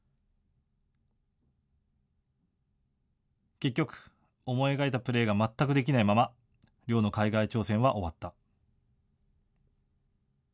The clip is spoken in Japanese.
結局、思い描いたプレーが全くできないまま亮の海外挑戦は終わった。